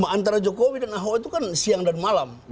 antara jokowi dan ahok itu kan siang dan malam